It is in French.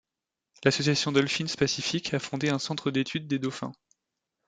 L'association Dolphins Pacific a fondé un centre d'études des dauphins.